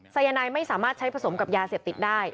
สายนายไม่สามารถใช้ผสมกับยาเสพติดได้